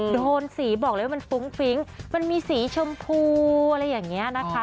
โดนสีบอกเลยว่ามันฟุ้งฟิ้งมันมีสีชมพูอะไรอย่างนี้นะคะ